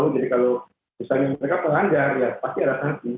jadi kalau mereka pelanggar pasti ada tangsi